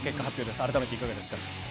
さあ、改めていかがですか。